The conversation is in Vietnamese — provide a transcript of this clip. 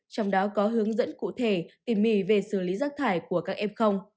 trong đó có hướng dẫn cụ thể tìm mì về xử lý rác thải của các f